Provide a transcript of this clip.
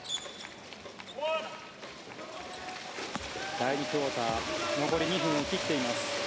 第２クオーター残り２分を切っています。